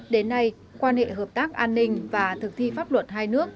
đến nay quan hệ hợp tác an ninh và thực thi pháp luật hai nước